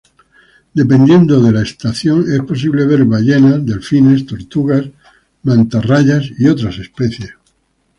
Dependiendo de la estación, es posible ver ballenas, delfines, tortugas, mantarrayas y otras especies.